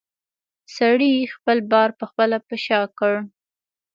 سړي خپل بار پخپله په شا کړ.